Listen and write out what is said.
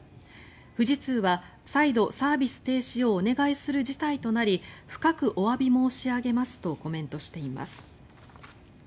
富士通は再度、サービス停止をお願いする事態となり深くおわび申し上げますとコメントしています。